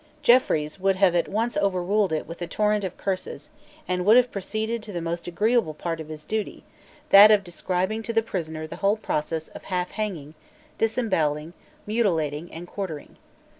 Jeffreys would have at once overruled it with a torrent of curses, and would have proceeded to the most agreeable part of his duty, that of describing to the prisoner the whole process of half hanging, disembowelling, mutilating, and quartering.